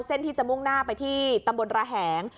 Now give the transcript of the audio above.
เส้นที่จะมุ่งหน้าไปที่ตำบลระแหง